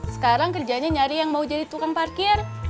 sekarang kerjanya nyari yang mau jadi tukang parkir